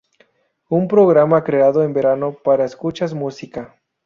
Un programa creado en verano para escuchas música.